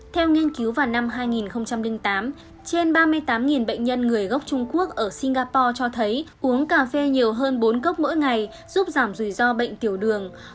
theo nghiên cứu vào năm hai nghìn tám trên ba mươi tám bệnh nhân người gốc trung quốc ở singapore cho thấy uống cà phê nhiều hơn bốn gốc mỗi ngày giúp giảm rủi ro bệnh tiểu đường